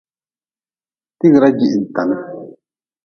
Tigra jihintan.